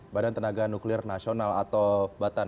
badan tenaga nuklir nasional atau batan